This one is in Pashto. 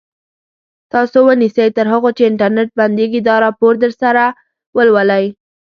تاسو ونیسئ تر هغو چې انټرنټ بندېږي دا راپور درسره ولولئ.